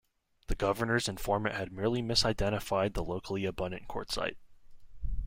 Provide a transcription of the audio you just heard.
The Governor's informant had merely misidentified the locally abundant quartzite.